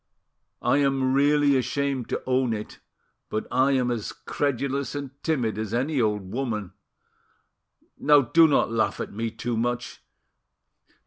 "I am really ashamed to own it, but I am a credulous and timid as any old woman. Now do not laugh at me too much.